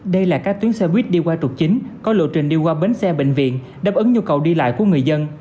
đây là các tuyến xe buýt đi qua trục chính có lộ trình đi qua bến xe bệnh viện đáp ứng nhu cầu đi lại của người dân